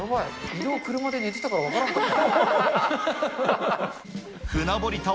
移動、車で寝てたから分からんかった。